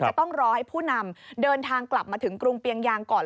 จะต้องรอให้ผู้นำเดินทางกลับมาถึงกรุงเปียงยางก่อน